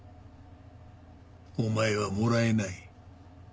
お前はもらえない。